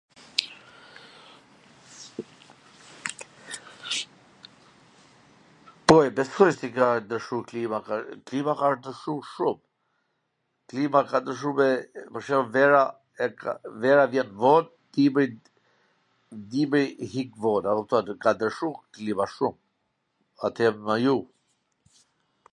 po e besoj se ka ndrwshu klima, klima ka wsht ndrwshu shum , klima ka ndrwshu me, pwr shwmbull, vera, vera vjen von, dimri, dimri ik von, a kupton, ka ndrwshu klima shum, ater nga ju